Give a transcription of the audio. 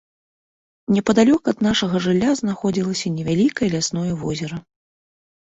Непадалёк ад нашага жылля знаходзілася невялікае лясное возера.